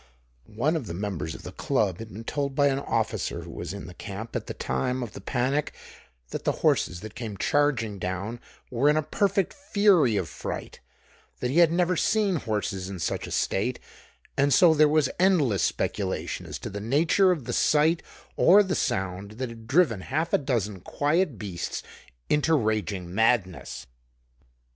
One of the members of the club had been told by an officer who was in the camp at the time of the panic that the horses that came charging down were in a perfect fury of fright, that he had never seen horses in such a state, and so there was endless speculation as to the nature of the sight or the sound that had driven half a dozen quiet beasts into raging madness.